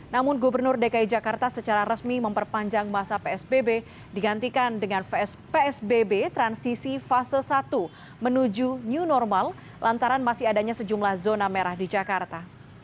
namun gubernur dki jakarta secara resmi memperpanjang masa psbb digantikan dengan psbb transisi fase satu menuju new normal lantaran masih adanya sejumlah zona merah di jakarta